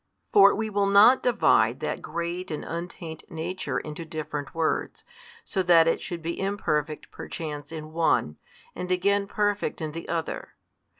For we will not divide that Great and Untaint Nature into different Words, so that it should be imperfect perchance in one, and again Perfect in the other.